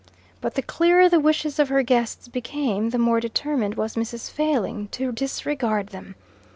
But the clearer the wishes of her guests became, the more determined was Mrs. Failing to disregard them.